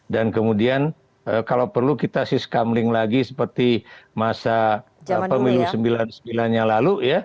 dan kemudian kalau perlu kita siskamling lagi seperti masa pemilu sembilan puluh sembilan nya lalu